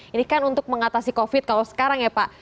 ini kan untuk mengatasi covid kalau sekarang ya pak